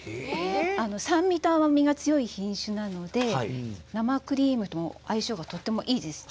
酸味と甘みが強い品種なので生クリームと相性がとてもいいです。